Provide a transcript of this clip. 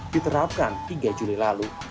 diterapkan tiga juli lalu